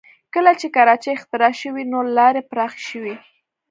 کله چې کراچۍ اختراع شوې نو لارې پراخه شوې